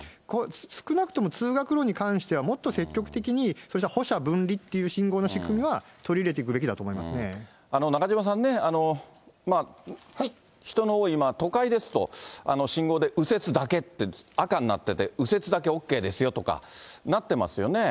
少なくとも通学路に関してはもっと積極的に、そうした歩者分離っていう信号の仕組みは取り入れていくべきだと中島さんね、人の多い都会ですと、信号で右折だけって、赤になってて右折だけＯＫですよとか、なってますよね。